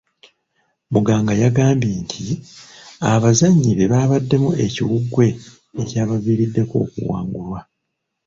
Muganga yagambye nti abazannyi be baabaddemu ekiwuggwe ekyabaviiriddeko okuwangulwa.